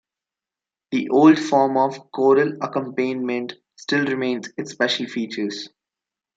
The old form of choral accompaniment still remains its special features.